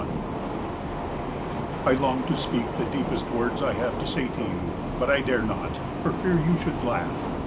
41 I long to speak the deepest words I have to say to you; but I dare not, for fear you should laugh.